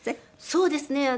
そうですね。